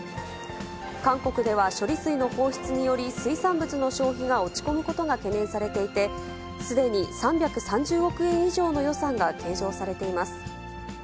韓国では処理水の放出により水産物の消費が落ち込むことが懸念されていて、すでに３３０億円以上の予算が計上されています。